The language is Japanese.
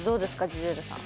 ジゼルさん。